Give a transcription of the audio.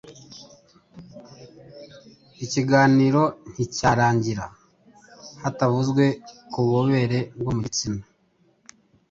ikiganiro nticyarangira hatavuzwe ku bubobere bwo mu gitsina.